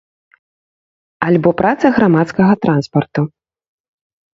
Альбо праца грамадскага транспарту.